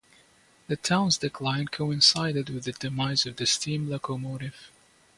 The town's decline coincided with the demise of the steam locomotive.